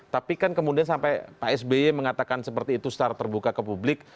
tapi kan kemudian sampai pak sby mengatakan seperti itu secara terbuka ke publik